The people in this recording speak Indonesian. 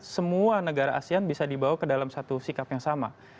semua negara asean bisa dibawa ke dalam satu sikap yang sama